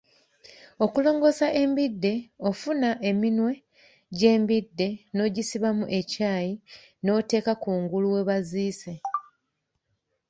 Okulongosa embidde, ofuna eminwe gy’embidde n’ogisibamu ekyayi n’oteeka kungulu we baziise.